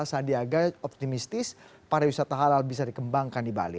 sandiaga optimistis pariwisata halal bisa dikembangkan di bali